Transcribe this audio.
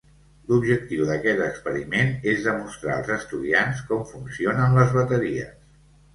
L'objectiu d'aquest experiment és demostrar als estudiants com funcionen les bateries.